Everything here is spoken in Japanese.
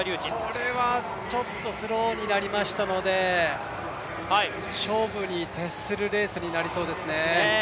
これはちょっとスローになりましたので、勝負に徹するレースになりそうですね。